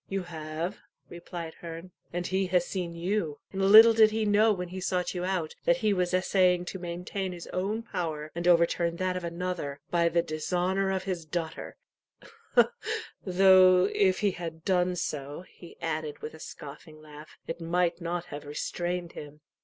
"You have," replied Herne; "and he has seen you and little did he know when he sought you out, that he was essaying to maintain his own power, and overturn that of another, by the dishonour of his daughter though if he had done so," he added, with a scoffing laugh, "it might not have restrained him."